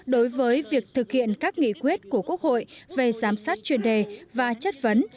đối với việc thực hiện các nghị quyết của quốc hội về giám sát chuyên đề và chất vấn